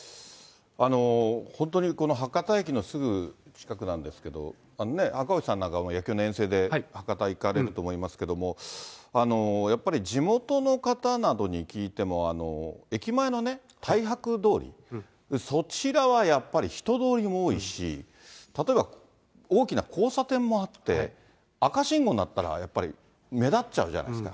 本当に博多駅のすぐ近くなんですけど、赤星さんなんかも野球の遠征で博多行かれると思いますけれども、やっぱり地元の方などに聞いても、駅前のね、たいはく通り、そちらはやっぱり、人通りも多いし、例えば大きな交差点もあって、赤信号になったら、目立っちゃうじゃないですか。